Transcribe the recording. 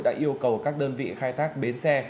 đã yêu cầu các đơn vị khai thác bến xe